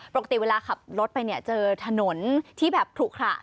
ปกติเวลาขับรถไปเนี่ยเจอถนนที่แบบขลุขระ